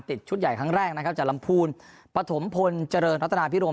ชุดใหญ่ครั้งแรกนะครับจากลำพูนปฐมพลเจริญรัตนาพิรม